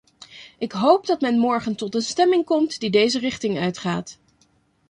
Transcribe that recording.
Ik hoop dat men morgen tot een stemming komt die deze richting uitgaat.